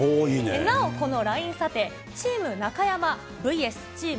なおこのＬＩＮＥ査定、チーム中山ｖｓチーム